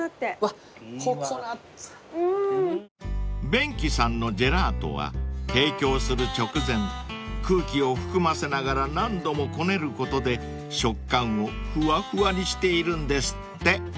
［ヴェンキさんのジェラートは提供する直前空気を含ませながら何度もこねることで食感をふわふわにしているんですって］